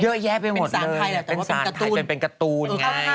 เยอะแยะไปหมดเลยเป็นสารไทยเป็นการ์ตูน